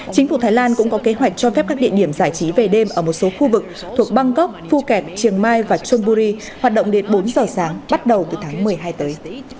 chính phủ thái lan cũng có kế hoạch cho phép các địa điểm giải trí về đêm ở một số khu vực thuộc bangkok phuket chiang mai và chonburi hoạt động đến bốn giờ sáng bắt đầu từ tháng một mươi hai tới